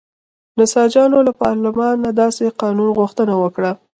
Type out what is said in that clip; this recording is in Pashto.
نساجانو له پارلمانه داسې قانون غوښتنه وکړه.